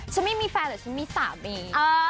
ฉันไม่มีแฟนแต่ฉันมีสามี